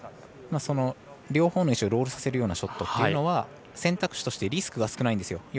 両方の石をロールさせるようなショットというのは選択肢としてリスクが少ないんですよ。